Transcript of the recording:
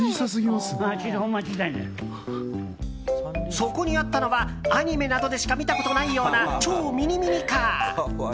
そこにあったのはアニメなどでしか見たことないような超ミニミニカー。